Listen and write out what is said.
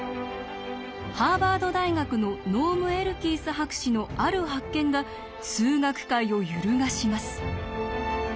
ハーバード大学のノーム・エルキース博士のある発見が数学界を揺るがします。